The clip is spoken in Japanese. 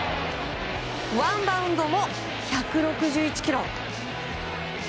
ワンバウンドも１６１キロ。